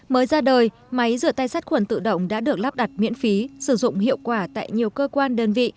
mới ra đời máy rửa tay sát khuẩn tự động đã được lắp đặt miễn phí sử dụng hiệu quả tại nhiều cơ quan đơn vị